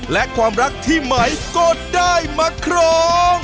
และความรักที่หมายก็ได้มาครอง